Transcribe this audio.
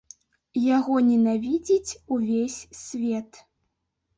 Яго ненавідзіць увесь свет.